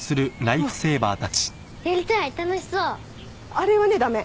あれはね駄目。